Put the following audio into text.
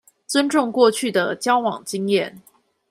尊重過去的交往經驗